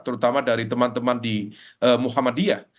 terutama dari teman teman di muhammadiyah